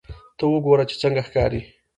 ته وګوره چې څنګه ښکاري